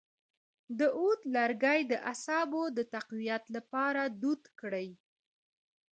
د عود لرګی د اعصابو د تقویت لپاره دود کړئ